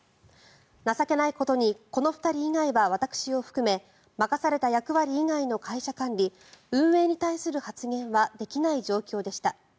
情けないことにこの２人以外は私を含め任された役割以外の会社管理・運営に対する発言はできない状況でした